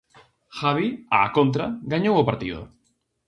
Javi, á contra, gañou o partido.